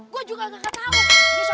gua juga gak ketahuan